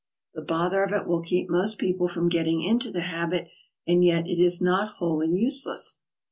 The bother of it will keep most people from getting into the habit, and yet it is not wholly useless.